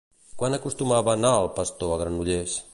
Quan acostumava a anar el pastor a Granollers?